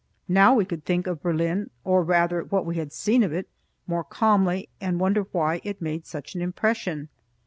Now we could think of Berlin, or rather, what we had seen of it, more calmly, and wonder why it made such an impression.